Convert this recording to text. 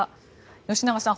吉永さん